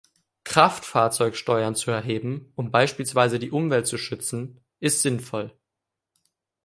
Kraftfahrzeugsteuern zu erheben, um beispielsweise die Umwelt zu schützen, ist sinnvoll.